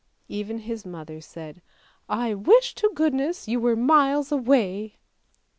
" Even his mother said, " I wish to goodness you were miles away."